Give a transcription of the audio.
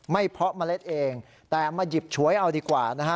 เพาะเมล็ดเองแต่มาหยิบฉวยเอาดีกว่านะฮะ